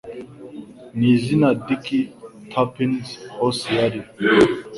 Ni izina Dick Turpins Horse yari